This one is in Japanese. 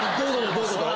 どういうこと？